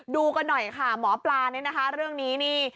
ดูกันหน่อยค่ะหมอปลานี่นะคะเรื่องนี้นี่